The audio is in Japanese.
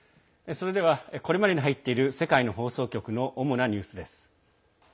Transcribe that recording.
それではこれまでに入っている世界の放送局の主なニュースです。